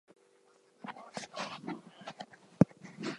From the start, it appeared that the operation was running into problems.